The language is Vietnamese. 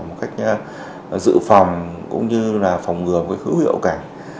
một cách giữ phòng cũng như là phòng ngừa một cái hữu hiệu cả